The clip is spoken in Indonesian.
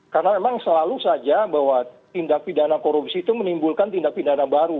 karena memang selalu saja bahwa tindak pidana korupsi itu menimbulkan tindak pidana baru